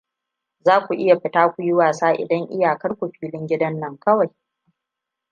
Za ku iya fita ku yi wasa idan iyakar ku filin gidan nan kawai.